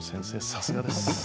さすがです。